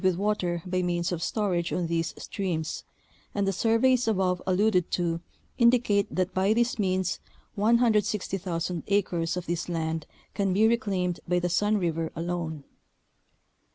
with water by means of storage on these streams, and the surveys above alluded to indicate that by this means 160,000 acres of this land can be reclaimed by the Sun River alone.